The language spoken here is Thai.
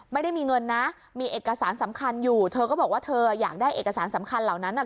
ไม่ได้มีเงินนะมีเอกสารสำคัญอยู่เธอก็บอกว่าเธออยากได้เอกสารสำคัญเหล่านั้น